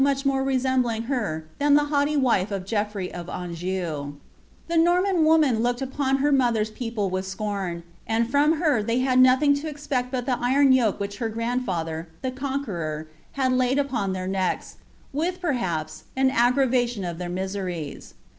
145 mach more resembling her than the haughty wife of Geoffrey of Anjou The Norman woman looked upon her mother^s people with scDrn, and from her they had nothing to expect but the iron yoke which her grand father, the Conqueror, had laid upon their necks, with, perhaps, an aggra facioii of their miseries.